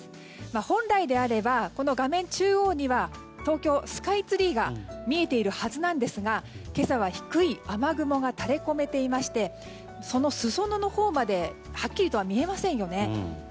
本来であれば、この画面中央には東京スカイツリーが見えているはずなんですが今朝は低い雨雲が垂れこめていましてその裾野のほうまではっきりとは見えませんよね。